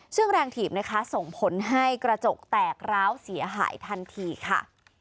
ซึ่งแรงถีบนะคะส่งผลให้กระจกแตกร้าวเสียหายทันทีค่ะ